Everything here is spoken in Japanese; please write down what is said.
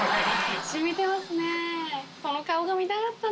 染みてますね。